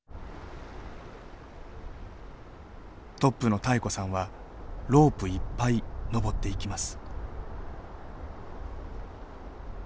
トップの妙子さんはロープいっぱい登っていきます。